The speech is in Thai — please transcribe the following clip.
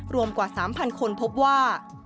รวมกว่า๓๐๐คนพบว่า